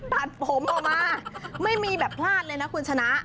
ตัดผมออกมาไม่มีแบบพลาดเลยนะคุณชนะ